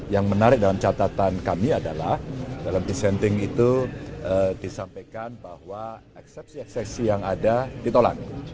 yang menarik dalam catatan kami adalah dalam dissenting itu disampaikan bahwa eksepsi eksepsi yang ada ditolak